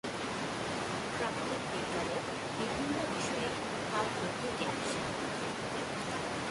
প্রাকৃতিক বিজ্ঞানের বিভিন্ন বিষয়ে তার গভীর জ্ঞান ছিল।